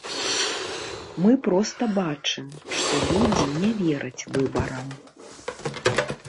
Мы проста бачым, што людзі не вераць выбарам.